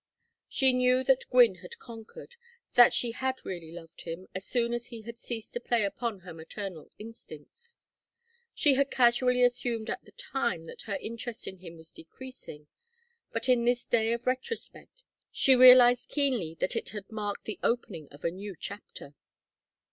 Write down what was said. She knew that Gwynne had conquered, that she had really loved him, as soon as he had ceased to play upon her maternal instincts. She had casually assumed at the time that her interest in him was decreasing, but in this day of retrospect, she realized keenly that it had marked the opening of a new chapter.